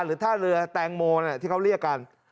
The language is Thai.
ท่าเรือแตงโมที่เขาเรียกกัน